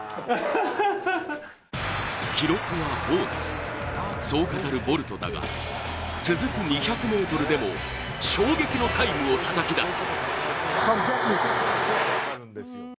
「記録はボーナス」そう語るボルトだが続く２００ｍでも衝撃のタイムをたたき出す。